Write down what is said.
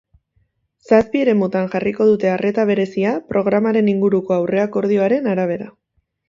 Zazpi eremutan jarriko dute arreta berezia, programaren inguruko aurreakordioaren arabera.